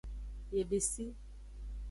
Yebesi.